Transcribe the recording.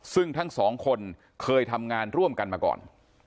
ซึ่งทั้งสองคนเคยทำงานร่วมกันมาก่อน